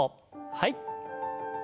はい。